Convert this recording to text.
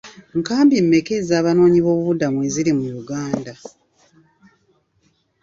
Nkambi mmeka ez'abanoonyiboobubudamu eziri mu Uganda?